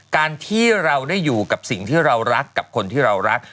การที่เราได้อยู่กับสิ่งที่เรารักกับคนที่เรารัก